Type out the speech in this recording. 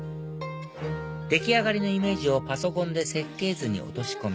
出来上がりのイメージをパソコンで設計図に落とし込み